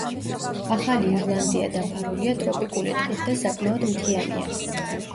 ახალი ირლანდია დაფარულია ტროპიკული ტყით და საკმაოდ მთიანია.